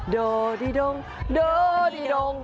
โดดี้โดงโดดี้โดง